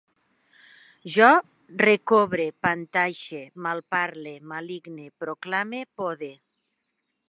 Jo recobre, pantaixe, malparle, maligne, proclame, pode